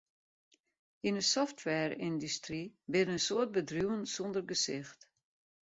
Yn 'e softwareyndustry binne in soad bedriuwen sonder gesicht.